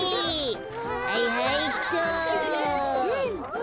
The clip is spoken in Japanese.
はいはいっと。